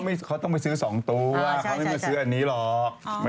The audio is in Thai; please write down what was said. เขาต้องไปซื้อ๒ตัวเขาไม่มาซื้ออันนี้หรอก